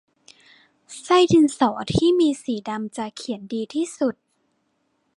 ไส้ดินสอที่มีสีดำจะเขียนดีที่สุด